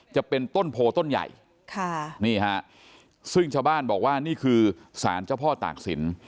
จะเป็นต้นโพต้นใหญ่ค่ะนี่ฮะซึ่งชาวบ้านบอกว่านี่คือสารเจ้าพ่อตากศิลป